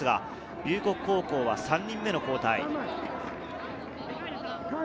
龍谷高校は３人目の交代。